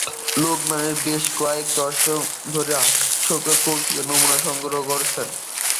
লেগম্যান বেশ কয়েক দশক ধরে হাস্যকর কৌতুকের নমুনা সংগ্রহ করেছেন।